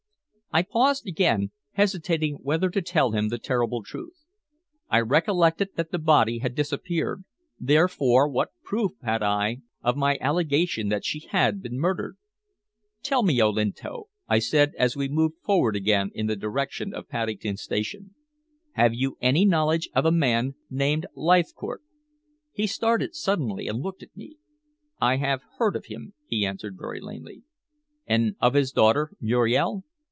I paused again, hesitating whether to tell him the terrible truth. I recollected that the body had disappeared, therefore what proof had I of my allegation that she had been murdered? "Tell me, Olinto," I said as we moved forward again in the direction of Paddington Station, "have you any knowledge of a man named Leithcourt?" He started suddenly and looked at me. "I have heard of him," he answered very lamely. "And of his daughter Muriel?"